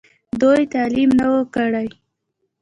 دوي تعليم نۀ وو کړی